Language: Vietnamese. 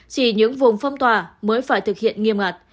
chỉ những vùng phâm tòa mới phải thực hiện nghiêm ngặt